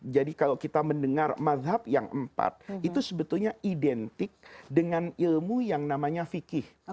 jadi kalau kita mendengar mazhab yang empat itu sebetulnya identik dengan ilmu yang namanya fiqih